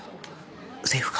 セーフか？